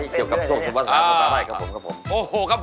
เกี่ยวกับส่วนภาษาได้ครับผม